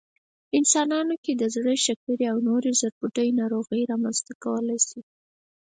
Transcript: انسانانو کې د زړه، شکرې او نورې د زړبوډۍ ناروغۍ کمولی شي